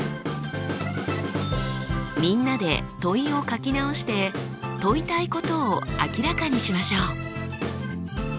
みんなで問いを書き直して問いたいことを明らかにしましょう。